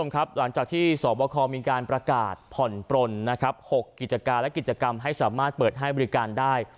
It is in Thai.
ครับหลังจากที่สวบคมีการประกาศผ่อนปลน๖กิจการและกิจกรรมให้สามารถเปิดให้บริการได้